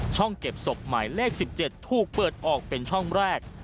เก็บศพหมายเลข๑๗ถูกเปิดออกเป็นช่องแรก